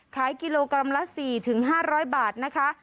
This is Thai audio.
ขายกิโลกรัมละ๔๕๐๐บาทนะคะ